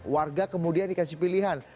warga kemudian dikasih pilihan